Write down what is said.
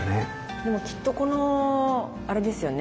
でもきっとこのあれですよね。